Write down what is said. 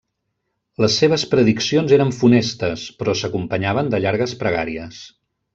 Les seves prediccions eren funestes, però s'acompanyaven de llargues pregàries.